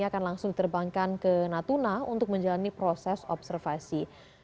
akan langsung diterbangkan ke natuna untuk menjalani proses observasi